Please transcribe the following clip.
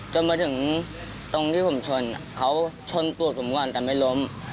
จนมาถึงตรงที่ผมชนเขาชนตัวผมก่อนแต่ไม่ล้ม